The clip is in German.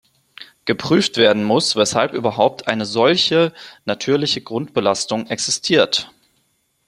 Geprüft werden muss, weshalb überhaupt eine solche natürliche Grundbelastung existiert.